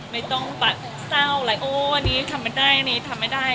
ไม่ต้องแบบเศร้าอันนี้ทำไม่ได้อันนี้ทำไม่ได้